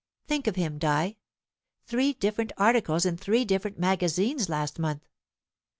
Think of him, Di three different articles in three different magazines last month!